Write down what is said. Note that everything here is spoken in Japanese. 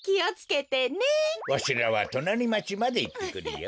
わしらはとなりまちまでいってくるよ。